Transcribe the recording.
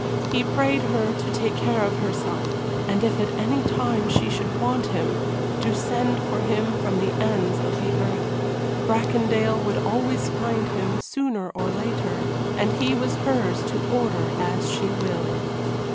He prayed her to take care of herself, and if at any time she should want him to send for him from the ends of the earth. Bracondale would always find him, sooner or later, and he was hers to order as she willed.